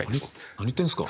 何言ってんすか。